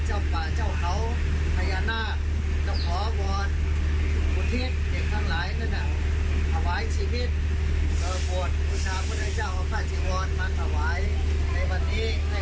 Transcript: ฉะนั้นไว้ทุกคนวดใจ